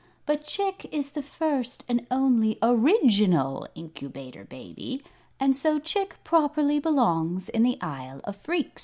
But Chick is the first and only Original Incubator Baby, and so Chick properly belongs in the Isle of Phreex."